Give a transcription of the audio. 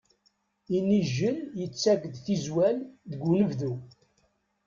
Inijel yettak-d tizwal deg unebdu.